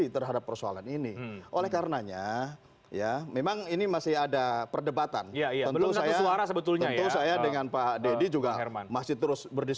tarafnya ke dari